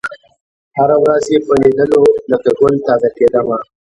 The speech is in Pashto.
هره ورځ یې په لېدلو لکه ګل تازه کېدمه